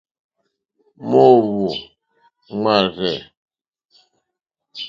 Móǃóhwò máárzɛ̂.